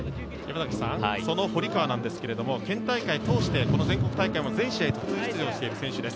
その堀川ですが、県大会通して、その全国大会も全試合途中出場している選手です。